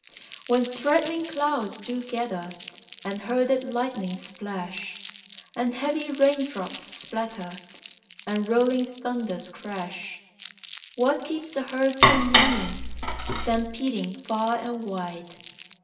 "When threatening clouds do gather and herded lightnings flash, And heavy rain drops splatter, and rolling thunders crash; What keeps the herd from running, stampeding far and wide?